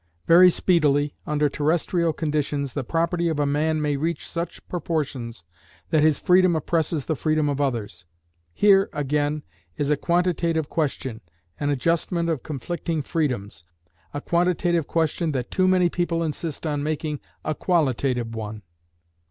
Very speedily, under terrestrial conditions, the property of a man may reach such proportions that his freedom oppresses the freedom of others. Here, again, is a quantitative question, an adjustment of conflicting freedoms, a quantitative question that too many people insist on making a qualitative one.